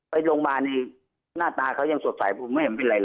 ไปโรงพยาบาลนี่หน้าตาเขายังสดใสผมไม่เห็นเป็นไรเลย